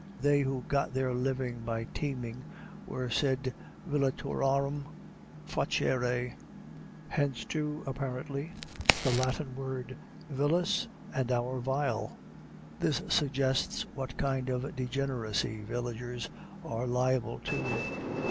They who got their living by teaming were said vellaturam facere. Hence, too, apparently, the Latin word vilis and our vile; also villain. This suggests what kind of degeneracy villagers are liable to.